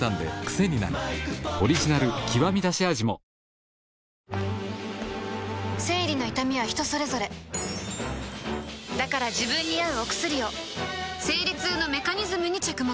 「はだおもいオーガニック」生理の痛みは人それぞれだから自分に合うお薬を生理痛のメカニズムに着目